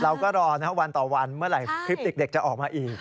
เราก็รอนะวันต่อวันเมื่อไหร่คลิปเด็กจะออกมาอีก